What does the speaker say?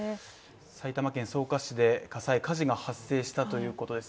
埼玉県草加市で火事が発生したということです。